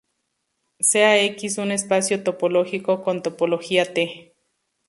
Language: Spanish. Sea "X" un espacio topológico con topología "T".